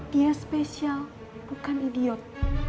dia spesial bukan idiot